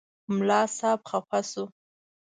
ملا صاحب خفه شو.